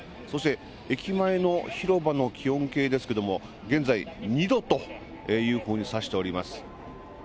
そして駅前の広場の気温計ですけれども、現在２度というふうに指しています。